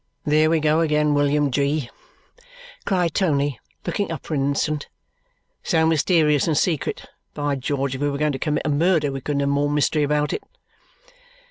"There we go again, William G.!" cried Tony, looking up for an instant. "So mysterious and secret! By George, if we were going to commit a murder, we couldn't have more mystery about it!"